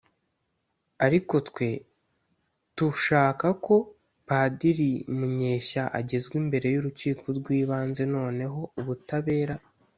ariko twe tushaka ko padiri Munyeshya agezwa imbere y’urukiko rw’ibanze noneho ubutabera